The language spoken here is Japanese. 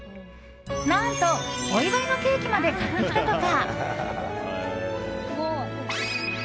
何と、お祝いのケーキまで買ってきたとか。